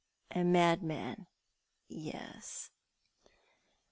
" A madman, yes